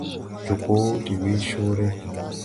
Jobo de wee coore.